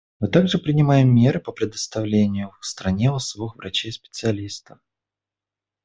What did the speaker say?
Мы также принимаем меры по предоставлению в стране услуг врачей-специалистов.